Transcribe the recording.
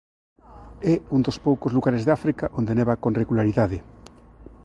É un dos poucos lugares de África onde neva con regularidade.